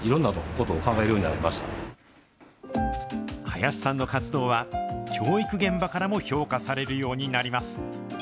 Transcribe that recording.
林さんの活動は、教育現場からも評価されるようになります。